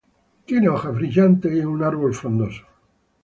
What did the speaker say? Tiene hojas brillantes y es un árbol frondoso.